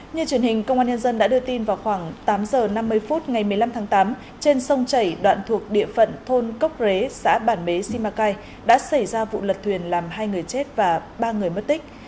như truyền hình công an nhân dân đã đưa tin vào khoảng tám h năm mươi phút ngày một mươi năm tháng tám trên sông chảy đoạn thuộc địa phận thôn cốc rế xã bản bế simacai đã xảy ra vụ lật thuyền làm hai người chết và ba người mất tích